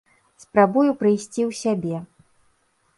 Спрабую прыйсці ў сябе.